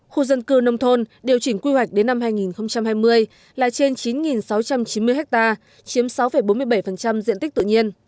khu dân cư nông thôn điều chỉnh quy hoạch đến năm hai nghìn hai mươi là trên chín sáu trăm chín mươi ha chiếm sáu bốn mươi bảy diện tích tự nhiên